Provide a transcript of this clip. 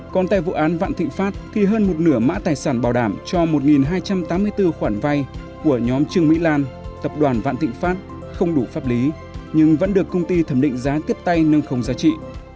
còn tại vụ án vạn thịnh pháp thì hơn một nửa mã tài sản bảo đảm cho một hai trăm tám mươi bốn khoản vay của nhóm trương mỹ lan tập đoàn vạn thịnh pháp không đủ pháp lý nhưng vẫn được công ty thẩm định giá tiếp tay nâng khống giá trị